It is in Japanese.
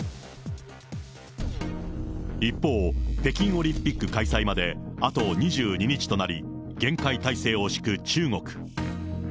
一方、北京オリンピック開催まであと２２日となり、厳戒態勢を敷く中国。